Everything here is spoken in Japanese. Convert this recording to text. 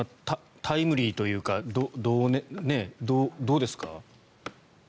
タイムリーというかどうですか？